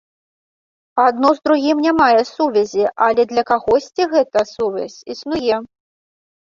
Адно з другім не мае сувязі, але для кагосьці гэта сувязь існуе.